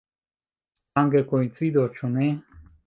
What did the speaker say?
Stranga koincido, ĉu ne?